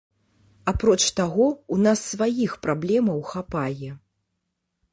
Апроч таго, у нас сваіх праблемаў хапае.